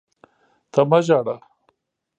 ته مه ژاړه!